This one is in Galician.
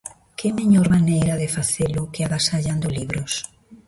Que mellor maneira de facelo que agasallando libros?